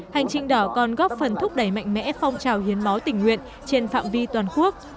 hành trình đỏ còn góp phần thúc đẩy mạnh mẽ phong trào hiến máu tình nguyện trên phạm vi toàn quốc